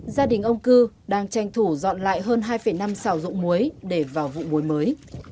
gia đình ông cư đang tranh thủ dọn lại hơn hai năm xào dụng muối để vào vụ muối mới